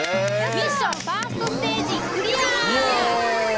ミッションファーストステージイエイ！